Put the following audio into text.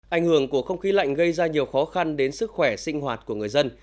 ảnh hưởng của không khí lạnh gây ra nhiều khó khăn đến sức khỏe sinh hoạt của người dân